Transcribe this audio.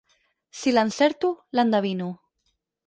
Si l'encerto, l'endevino.